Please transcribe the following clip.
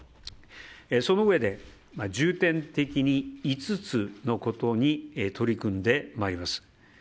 そのうえで重点的に５つのことに取り組んでまいります。